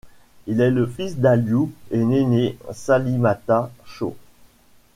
Il est le fils d'Aliou et Néné Salimata Sow.